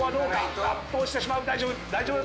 あっと落ちてしまう大丈夫大丈夫。